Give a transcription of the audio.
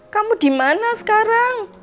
kamu dimana sekarang